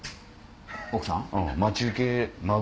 奥さん？